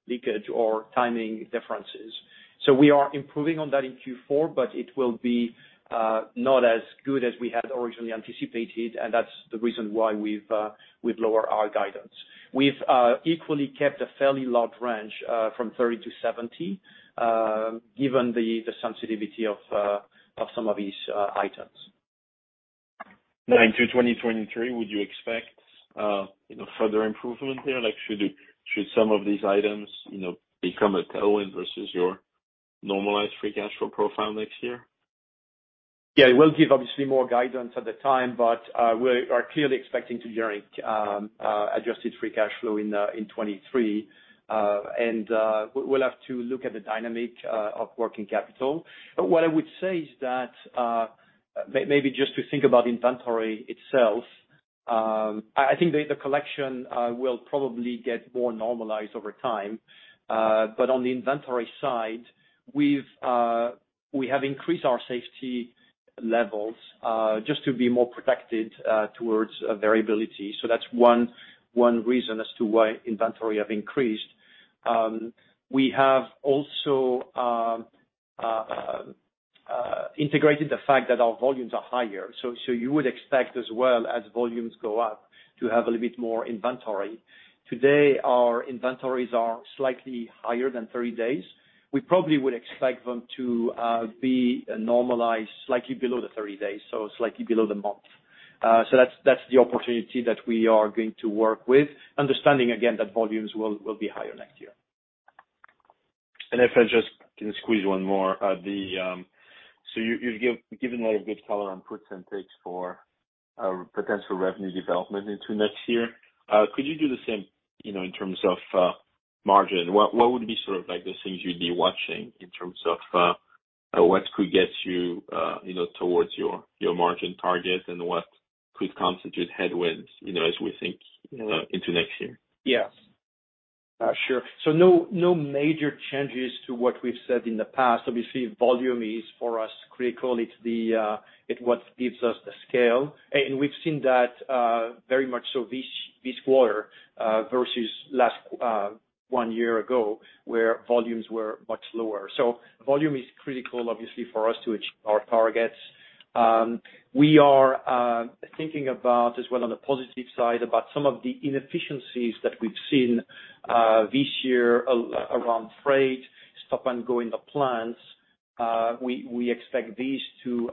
leakage or timing differences. We are improving on that in Q4, but it will be not as good as we had originally anticipated, and that's the reason why we've lowered our guidance. We've equally kept a fairly large range from 30-70 given the sensitivity of some of these items. Now into 2023, would you expect, you know, further improvement here? Like, should some of these items, you know, become a tailwind versus your normalized free cash flow profile next year? We'll give obviously more guidance at the time, but we are clearly expecting to generate adjusted free cash flow in 2023. We'll have to look at the dynamic of working capital. What I would say is that Maybe just to think about inventory itself, I think the allocation will probably get more normalized over time. On the inventory side, we have increased our safety levels just to be more protected towards variability. So that's one reason as to why inventory have increased. We have also integrated the fact that our volumes are higher. So you would expect as well as volumes go up to have a little bit more inventory. Today, our inventories are slightly higher than 30-days. We probably would expect them to be normalized slightly below the 30-days, so slightly below the month. So that's the opportunity that we are going to work with, understanding again that volumes will be higher next year. If I just can squeeze one more. So you've given like a good color on puts and takes for our potential revenue development into next year, could you do the same, you know, in terms of margin? What would be sort of like the things you'd be watching in terms of what could get you know, towards your margin target and what could constitute headwinds, you know, as we think into next year? Yeah. Sure. No major changes to what we've said in the past. Obviously, volume is for us critical. It's the, it's what gives us the scale. We've seen that, very much so this quarter, versus last one year ago, where volumes were much lower. Volume is critical, obviously, for us to achieve our targets. We are thinking about as well on the positive side about some of the inefficiencies that we've seen this year around freight, stop and go in the plants. We expect these to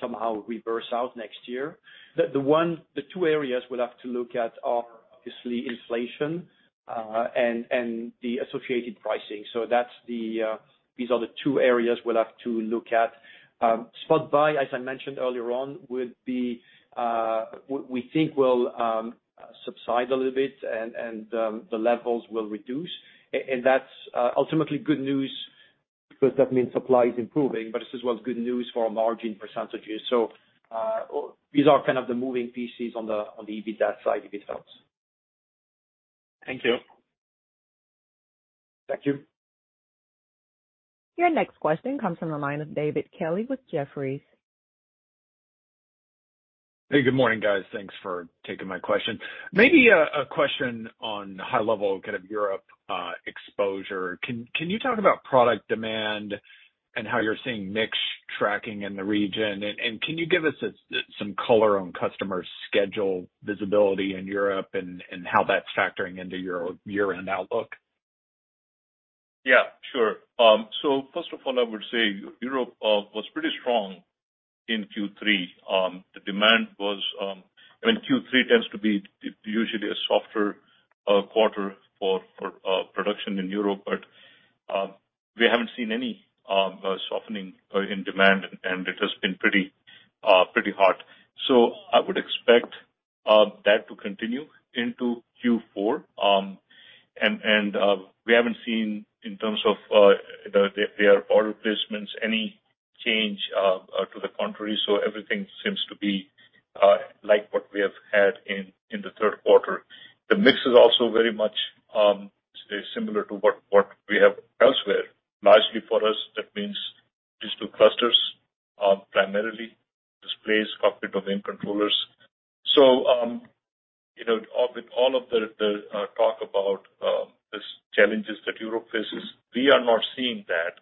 somehow reverse out next year. The two areas we'll have to look at are obviously inflation and the associated pricing. That's the, these are the two areas we'll have to look at. Spot buy, as I mentioned earlier on, would be we think will subside a little bit and the levels will reduce. That's ultimately good news because that means supply is improving, but this is what's good news for our margin percentages. These are kind of the moving pieces on the EBITDA side, if it helps. Thank you. Thank you. Your next question comes from the line of David Kelley with Jefferies. Hey, good morning, guys. Thanks for taking my question. Maybe a question on high level kind of Europe exposure. Can you talk about product demand and how you're seeing mix tracking in the region? Can you give us some color on customer schedule visibility in Europe and how that's factoring into your year-end outlook? Yeah, sure. First of all, I would say Europe was pretty strong in Q3. I mean, Q3 tends to be usually a softer quarter for production in Europe, but we haven't seen any softening in demand, and it has been pretty hot. I would expect that to continue into Q4. We haven't seen in terms of their order placements any change to the contrary, so everything seems to be like what we have had in the third quarter. The mix is also very much similar to what we have elsewhere. Largely for us, that means these two clusters, primarily displays, cockpit domain controllers. You know, with all of the talk about these challenges that Europe faces, we are not seeing that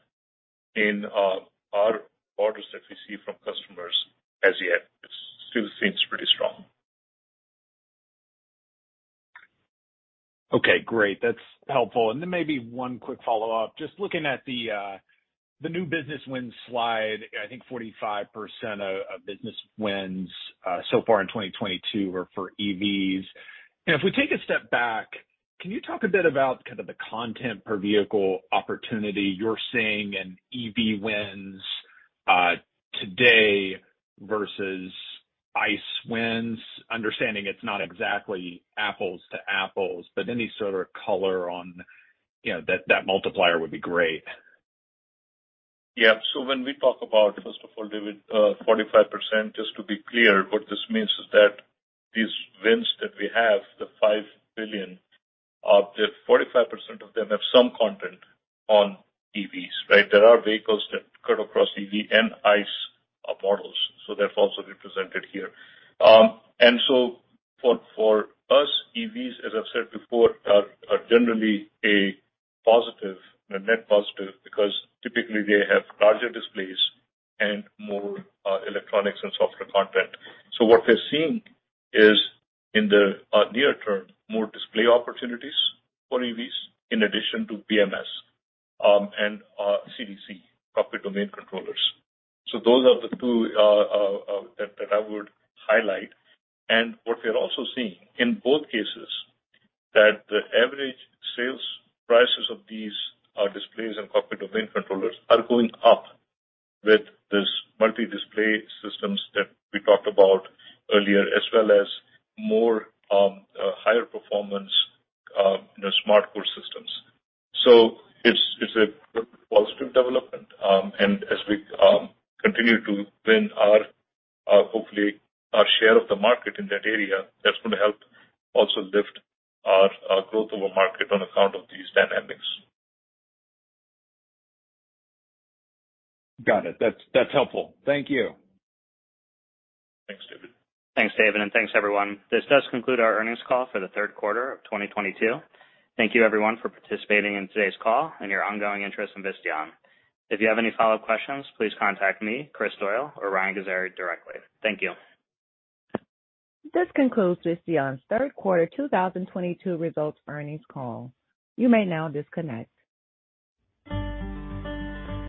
in our orders that we see from customers as yet. It still seems pretty strong. Okay, great. That's helpful. Maybe one quick follow-up. Just looking at the new business wins slide, I think 45% of business wins so far in 2022 were for EVs. If we take a step back, can you talk a bit about kind of the content per vehicle opportunity you're seeing in EV wins today versus ICE wins? Understanding it's not exactly apples to apples, but any sort of color on, you know, that multiplier would be great. Yeah. When we talk about, first of all, David, 45%, just to be clear, what this means is that these wins that we have, the $5 billion, that 45% of them have some content on EVs, right? There are vehicles that cut across EV and ICE models, so they're also represented here. For us, EVs, as I've said before, are generally a positive, a net positive, because typically they have larger displays and more electronics and software content. What we're seeing is in the near term, more display opportunities for EVs in addition to BMS and CDC, cockpit domain controllers. Those are the two that I would highlight. What we're also seeing in both cases, that the average sales prices of these displays and cockpit domain controllers are going up with this multi-display systems that we talked about earlier, as well as more higher performance, you know, SmartCore systems. It's a positive development. As we continue to win our hopefully our share of the market in that area, that's gonna help also lift our growth over market on account of these dynamics. Got it. That's helpful. Thank you. Thanks, David. Thanks, David, and thanks, everyone. This does conclude our earnings call for the third quarter of 2022. Thank you everyone for participating in today's call and your ongoing interest in Visteon. If you have any follow-up questions, please contact me, Kris Doyle or Ryan Gezari directly. Thank you. This concludes Visteon's third quarter 2022 results earnings call. You may now disconnect.